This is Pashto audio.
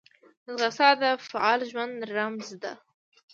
ځغاسته د فعال ژوند رمز ده